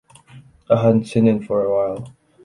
I hadn’t seen in for a while.